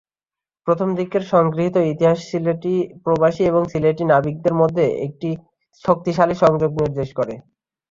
প্রথম দিকের সংগৃহীত ইতিহাস সিলেটি প্রবাসী এবং সিলেটি নাবিকদের মধ্যে একটি শক্তিশালী সংযোগ নির্দেশ করে।